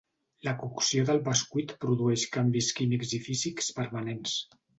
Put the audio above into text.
La cocció del bescuit produeix canvis químics i físics permanents.